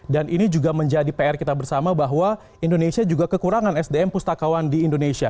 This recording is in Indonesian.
dan ini juga menjadi pr kita bersama bahwa indonesia juga kekurangan sdm pustakawan di indonesia